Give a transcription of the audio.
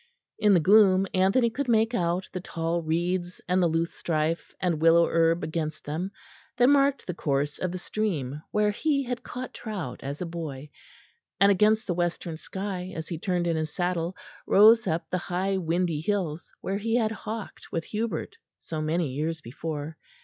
In the gloom Anthony could make out the tall reeds, and the loosestrife and willowherb against them, that marked the course of the stream where he had caught trout, as a boy; and against the western sky, as he turned in his saddle, rose up the high windy hills where he had hawked with Hubert so many years before.